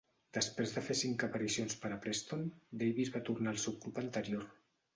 Després de fer cinc aparicions per a Preston, Davies va tornar al seu club anterior.